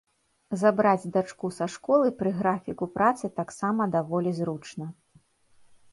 Забраць дачку са школы пра графіку працы таксама даволі зручна.